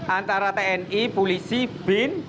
antara tni polisi bin